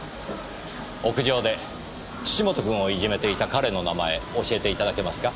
屋上で土本君をいじめていた彼の名前教えていただけますか。